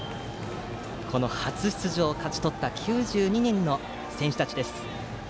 初出場を勝ち取った９２人の選手たちです。